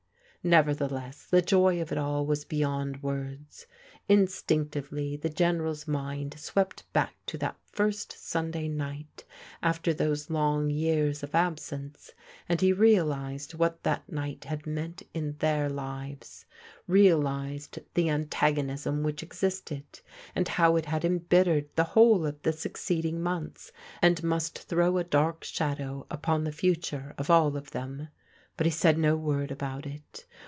Xcverdielcss Ae joy of it all was beyond words. In stinctiTchr die General's imnd swept back to diat first Smiday nigiit after those kM^ years of absence, and he realized what that ni^t had meant in Aeir fires. Real ized the antagonism whidi existed, and how it had em bittered the whole of the succeeding mootfis, and most dirow a dark shadow txpofa the fiitm« of all of tfiem. But he said no word about it.